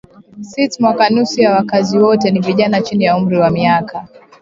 Sits mwaka Nusu ya wakazi wote ni vijana chini ya umri wa miaka